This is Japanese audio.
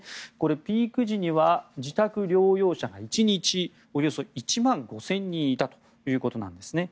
ピーク時には自宅療養者が１日およそ１万５０００人いたということなんですね。